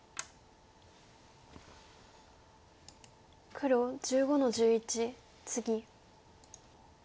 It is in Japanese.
黒１５の十一ツギ。